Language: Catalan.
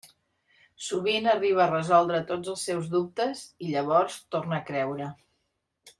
Sovint arriba a resoldre tots els seus dubtes, i llavors torna a creure.